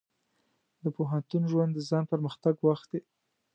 د پوهنتون ژوند د ځان پرمختګ وخت دی.